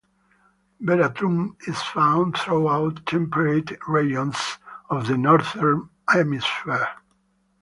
"Veratrum" is found throughout temperate regions of the Northern Hemisphere.